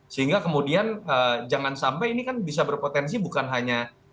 sehingga kemudian jangan sampai ini kan bisa berpotensi bukan hanya